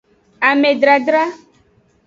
Amedradra.